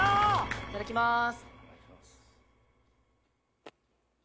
いただきます。